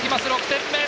６点目。